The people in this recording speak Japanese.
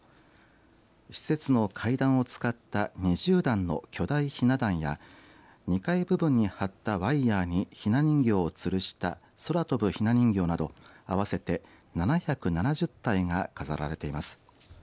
施設の階段を使った２０段の巨大ひな壇や２階部分に張ったワイヤにひな人形をつるした空飛ぶひな人形など合わせて７７０体が飾られています。